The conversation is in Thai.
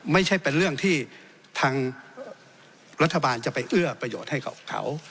ไม่ใช่เป็นเรื่องที่ทางรัฐบาลจะไปเอื้อประโยชน์ให้กับเขา